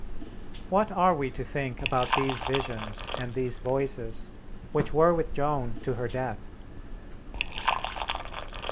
What are we to think about these visions and these Voices which were with Joan to her death?